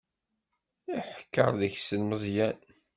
Iḥekker deg-sen Meẓyan.